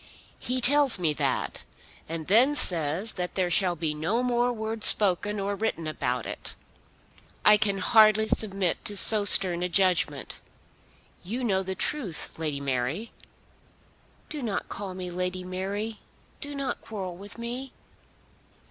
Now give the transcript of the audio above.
He tells me that, and then says that there shall be no more words spoken or written about it. I can hardly submit to so stern a judgment. You know the truth, Lady Mary." "Do not call me Lady Mary. Do not quarrel with me."